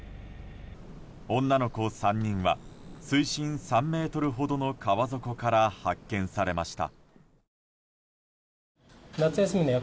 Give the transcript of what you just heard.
女の子３人は水深３ｍほどの川底から発見されました。